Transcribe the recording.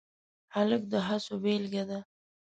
هلک د هڅو بیلګه ده.